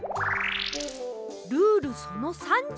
ルールその３０！